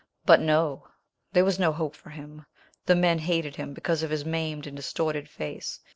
But no! There was no hope for him. The men hated him because of his maimed and distorted face.